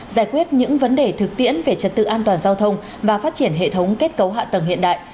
giải quyết những vấn đề thực tiễn về trật tự an toàn giao thông và phát triển hệ thống kết cấu hạ tầng hiện đại